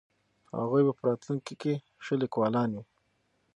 هغوی به په راتلونکي کې ښه لیکوالان وي.